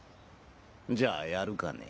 じゃあやるかね。